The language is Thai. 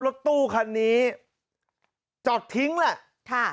รถตู้คันนี้จอดทิ้งแหละค่ะ